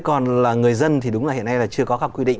còn là người dân thì đúng là hiện nay là chưa có các quy định